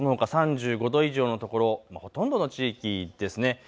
そのほか３５度以上の所ほとんどの地域です。